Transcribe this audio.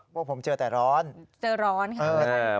พวกผมเจอแต่ร้อนเจอร้อนค่ะ